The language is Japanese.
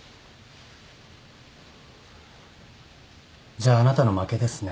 じゃああなたの負けですね。